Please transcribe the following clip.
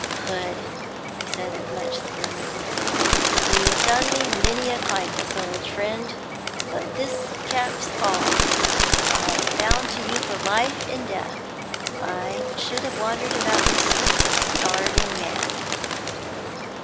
'Hood,' he said, with much solemnity, 'you've done me many a kindness, old friend, but this caps all. I'm bound to you for life and death. I should have wandered about these streets a starving man.'